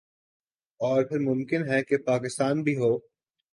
اور پھر ممکن ہے کہ پاکستان بھی ہو